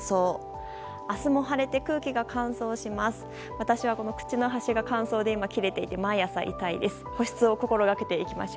私は口の端が乾燥で今、切れていて、毎朝痛いです。